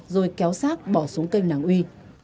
rồi kéo xác bỏ xuống cây nàng uy